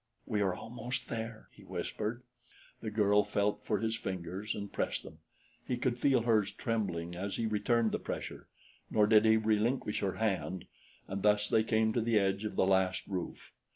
"We are almost there," he whispered. The girl felt for his fingers and pressed them. He could feel hers trembling as he returned the pressure, nor did he relinquish her hand; and thus they came to the edge of the last roof.